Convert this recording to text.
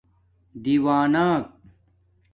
دِیونݳک